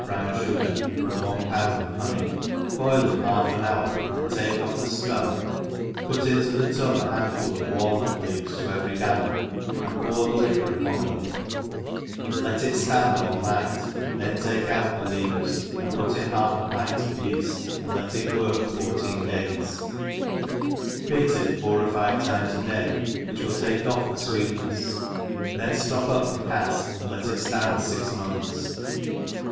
brown fugar and one pound of honey, boil them half an hour, and take off the fcum^ put into the tub a handful of walnut leaves to every gal lon and pour t)ie liquor upon them, let it fland all night, then take out the leaves, and put in half a pint of yeft, and let it work fourteen days, beat it four or five times a day, which will take off the fweetnefs, then flop up the ca(k, and let it ftand fix months.